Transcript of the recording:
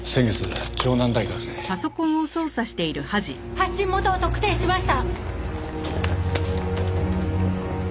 発信元を特定しました！